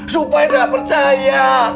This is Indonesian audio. supaya gak percaya